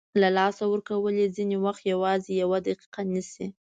له لاسه ورکول یې ځینې وخت یوازې یوه دقیقه نیسي.